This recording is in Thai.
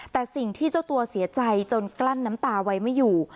แต่สิ่งที่เจ้าตัวเสียใจจนกลั้นน้ำตาไว้ไม่อยู่